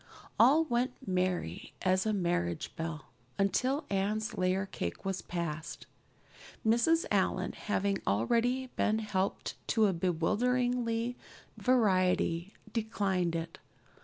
All went merry as a marriage bell until Anne's layer cake was passed. Mrs. Allan, having already been helped to a bewildering variety, declined it.